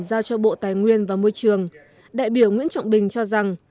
giao cho bộ tài nguyên và môi trường đại biểu nguyễn trọng bình cho rằng